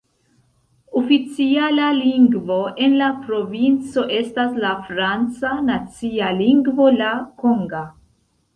Oficiala lingvo en la provinco estas la franca, nacia lingvo la konga.